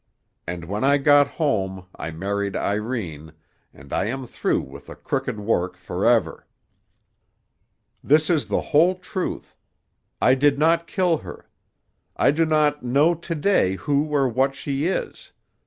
And when I got home I married Irene, and I am through with the crooked work forever. "This is the whole truth. I did not kill her. I do not know to day who or what she is.